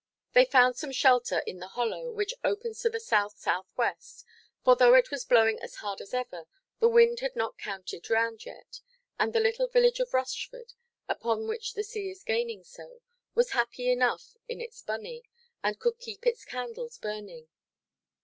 They found some shelter in the hollow, which opens to the south–south–west; for, though it was blowing as hard as ever, the wind had not canted round yet; and the little village of Rushford, upon which the sea is gaining so, was happy enough in its "bunney," and could keep its candles burning.